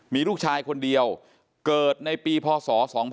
มีลูกชายคนเดียวเกิดในปีพศ๒๕๖๒